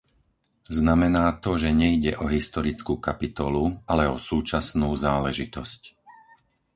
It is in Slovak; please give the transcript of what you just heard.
Znamená to, že nejde o historickú kapitolu, ale o súčasnú záležitosť.